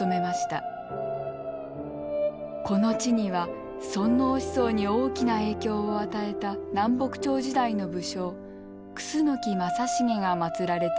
この地には尊王思想に大きな影響を与えた南北朝時代の武将楠木正成が祭られています。